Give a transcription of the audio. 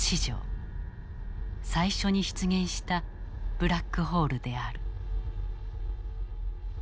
最初に出現したブラックホールである。